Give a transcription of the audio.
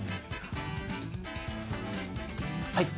はい。